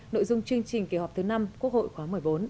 nội dung chương trình kỳ họp thứ năm quốc hội khóa một mươi bốn